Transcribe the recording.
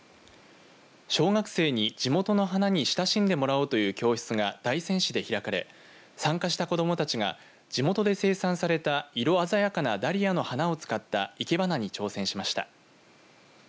小学生に地元の花に親しんでもらおうという教室が大仙市で開かれ参加した子どもたちが地元で生産された色鮮やかなダリアの花を使った生け花に挑戦しました。